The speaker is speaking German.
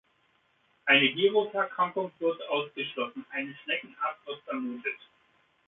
Eine Viruserkrankung wird ausgeschlossen, eine Schneckenart wird vermutet.